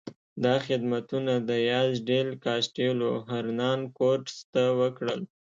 دا خدمتونه دیاز ډیل کاسټیلو هرنان کورټس ته وکړل.